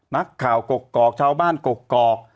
มักข่าวกกอกกอกชาวบ้านกกอกกอก